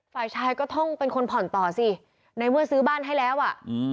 ฝ่ายชายก็ต้องเป็นคนผ่อนต่อสิในเมื่อซื้อบ้านให้แล้วอ่ะอืม